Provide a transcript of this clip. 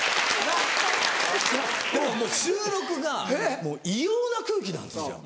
もう収録が異様な空気なんですよ。